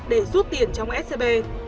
để rút tiền trong scb